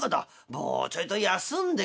もうちょいと休んでから」。